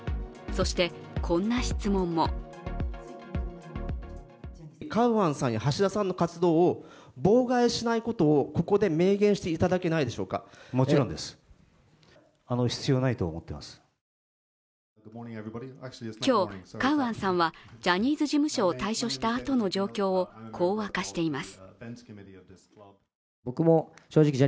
そして、こんな質問も今日、カウアンさんはジャニーズ事務所を退所した後の状況をこう明かしています。